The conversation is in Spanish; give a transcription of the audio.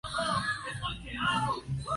Se disolvió antes de las siguientes elecciones.